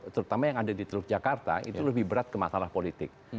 terutama yang ada di teluk jakarta itu lebih berat ke masalah politik